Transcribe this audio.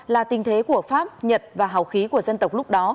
là tình thế của pháp nhật và hào khí của dân tộc lúc đó